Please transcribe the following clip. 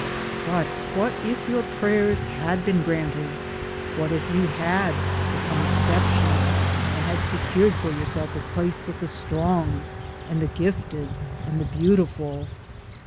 V But what if your prayers had been granted? What if you had become exceptional and had secured for yourself a place with the strong and the gifted and the beautiful?